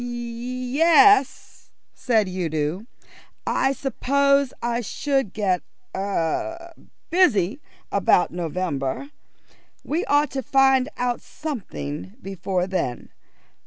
"Ye es," said Udo. "I suppose I should get er busy about November. We ought to find out something before then.